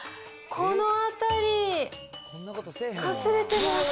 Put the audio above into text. この辺り、かすれてます。